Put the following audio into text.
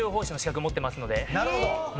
なるほど！